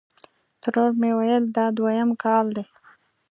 ترور مې ویل: دا دویم کال دی.